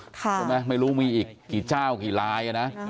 ใช่ไหมไม่รู้มีอีกกี่เจ้ากี่รายนะ